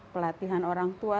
pelatihan orang tua